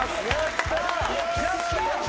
・やった！